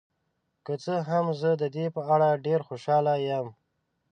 که څه هم، زه د دې په اړه ډیر خوشحاله یم.